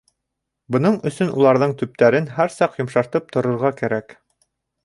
Бының өсөн уларҙың төптәрен һәр саҡ йомшартып тоторға кәрәк.